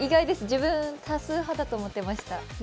自分、多数派だと思ってました。